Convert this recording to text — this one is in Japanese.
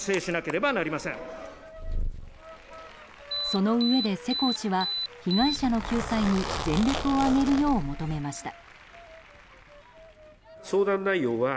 そのうえで、世耕氏は被害者の救済に全力を挙げるよう求めました。